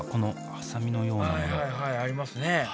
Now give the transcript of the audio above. はいはいありますね